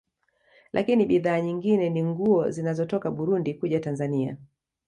Lakini bidhaa nyingine ni nguo zinazotoka Burundi kuja Tanzania